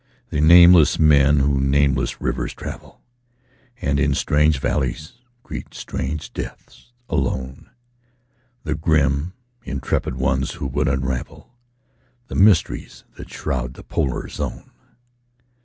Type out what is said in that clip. The nameless men who nameless rivers travel, And in strange valleys greet strange deaths alone; The grim, intrepid ones who would unravel The mysteries that shroud the Polar Zone.